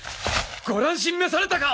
ご乱心召されたか！